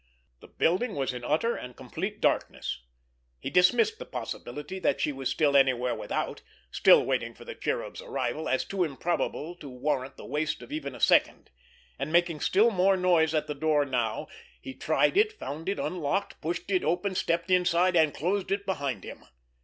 The building was in utter and complete darkness. He dismissed the possibility that she was still anywhere without, still waiting for the Cherub's arrival, as too improbable to warrant the waste of even a second, and making still more noise at the door now, he tried it, found it unlocked, pushed it open, stepped inside and closed it behind him.